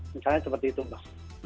misalnya seperti itu mbak